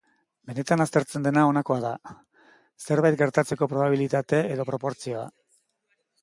Benetan aztertzen dena honakoa da: zerbait gertatzeko probabilitate edo proportzioa.